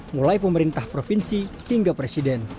mulai pemerintah provinsi hingga presiden